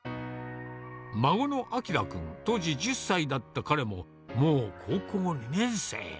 孫の晶君、当時１０歳だった彼も、もう高校２年生。